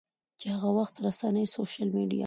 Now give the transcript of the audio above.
چې هغه وخت رسنۍ، سوشل میډیا